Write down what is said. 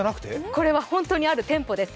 これは本当にある店舗です。